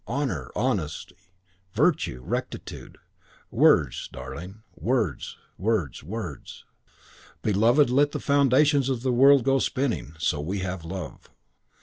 Honour, honesty, virtue, rectitude words, darling, words, words, words! Beloved, let the foundations of the world go spinning, so we have love."